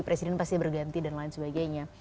presiden pasti berganti dan lain sebagainya